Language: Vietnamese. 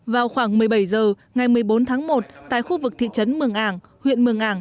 vào khoảng một mươi bảy h ngày một mươi bốn tháng một tại khu vực thị trấn mường ảng huyện mường ảng